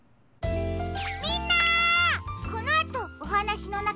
みんな！